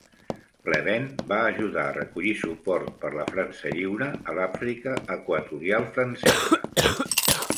Pleven va ajudar a recollir suport per la França Lliure a l'Àfrica Equatorial francesa.